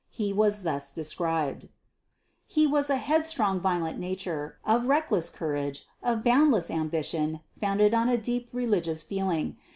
He was thus described: "He was a headstrong violent nature, of reckless courage, of boundless ambition founded on a deep religious feeling.